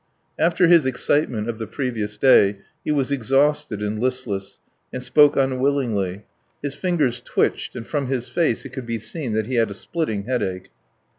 After his excitement of the previous day he was exhausted and listless, and spoke unwillingly. His fingers twitched, and from his face it could be seen that he had a splitting headache.